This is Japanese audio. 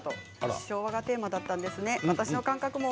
昭和がテーマだったんですね。